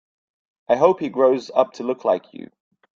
I hope he grows up to look like you.